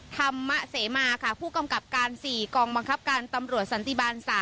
ธรรมเสมาค่ะผู้กำกับการ๔กองบังคับการตำรวจสันติบาล๓